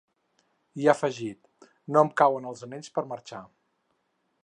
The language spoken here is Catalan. I ha afegit: No em cauen els anells per marxar.